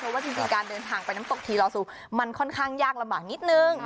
เพราะว่าจริงการเดินทางไปน้ำตกทีลอซูมันค่อนข้างยากลำบากนิดนึง